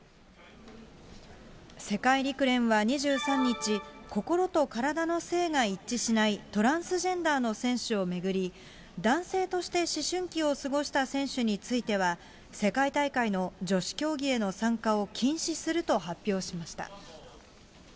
世界陸連は２３日、心と体の性が一致しないトランスジェンダーの選手を巡り、男性として思春期を過ごした選手については、世界大会の女子競技への参加を禁止すると発表しました。